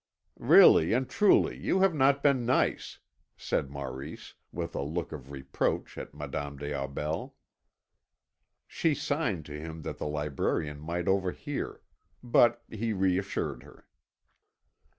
"Really and truly, you have not been nice," said Maurice, with a look of reproach at Madame des Aubels. She signed to him that the librarian might over hear. But he reassured her.